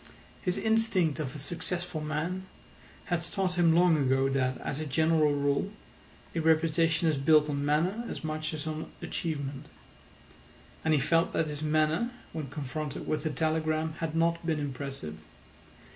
His instinct of a successful man had taught him long ago that, as a general rule, a reputation is built on manner as much as on achievement. And he felt that his manner when confronted with the telegram had not been impressive.